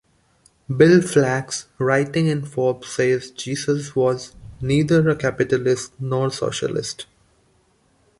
Bill Flax, writing in "Forbes", says Jesus was neither a capitalist nor socialist.